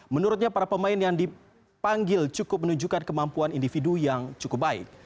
menurutnya para pemain yang dipanggil cukup menunjukkan kemampuan individu yang cukup baik